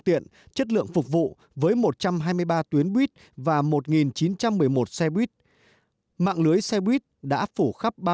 tiện chất lượng phục vụ với một trăm hai mươi ba tuyến buýt và một chín trăm một mươi một xe buýt mạng lưới xe buýt đã phủ khắp